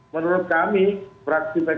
menurut kami fraksi pkp itu jelas tidak benar